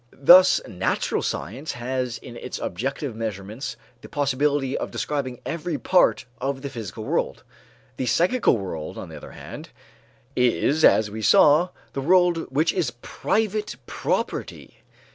Thus natural science has in its objective measurements the possibility of describing every part of the physical world. The psychical world, on the other hand, is as we saw, the world which is private property.